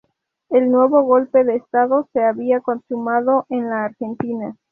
Un nuevo golpe de Estado se había consumado en la Argentina.